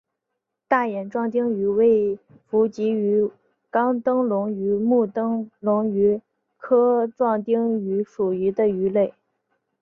大眼壮灯鱼为辐鳍鱼纲灯笼鱼目灯笼鱼科壮灯鱼属的鱼类。